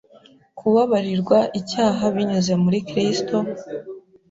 Kubabarirwa icyaha binyuze muri Kristo,